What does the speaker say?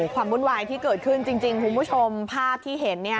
วุ่นวายที่เกิดขึ้นจริงคุณผู้ชมภาพที่เห็นเนี่ย